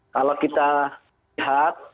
kalau kita lihat